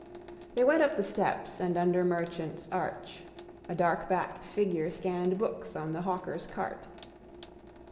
They went up the steps and under Merchants' arch. A darkbacked figure scanned books on the hawker's cart.